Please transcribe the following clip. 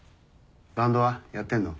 バンドはやってんの？